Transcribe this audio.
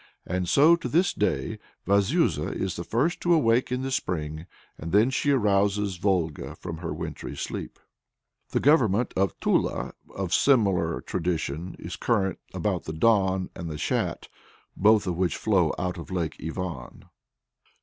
And so to this day Vazuza is the first to awake in the Spring, and then she arouses Volga from her wintry sleep. In the Government of Tula a similar tradition is current about the Don and the Shat, both of which flow out of Lake Ivan.